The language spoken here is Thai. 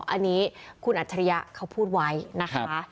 อันนี้คุณอัจฉริยะเขาพูดไว้นะคะ